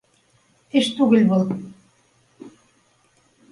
Эш түгел был